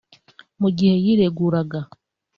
Mu gihe yireguraga